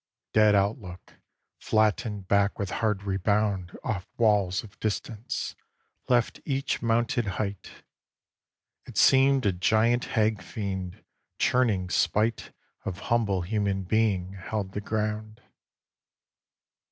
V Dead outlook, flattened back with hard rebound Off walls of distance, left each mounted height. It seemed a giant hag fiend, churning spite Of humble human being, held the ground.